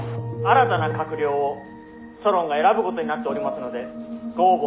「新たな閣僚をソロンが選ぶことになっておりますのでご応募